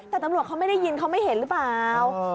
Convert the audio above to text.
แต่ตำรวจเขาไม่ได้ยินไม่ได้เห็นรึเปล่า